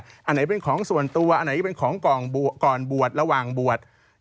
อันไหนเป็นของส่วนตัวอันไหนจะเป็นของก่อนบวชระหว่างบวช